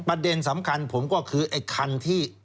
ประเด็นสำคัญผมก็คือไอ้คันที่